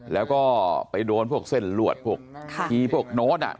แล้วก็ไปโดนพวกเส้นลวดพวกทีพวกโน้ต